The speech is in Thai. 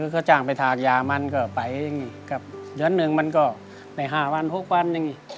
เขาจ้างไปทากยามันก็ไปอย่างนี้ครับเดือนหนึ่งมันก็ได้๕วัน๖วันอย่างนี้